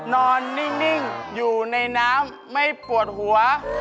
นอนนิ่งอยู่ในน้ำไม่ปวดหัว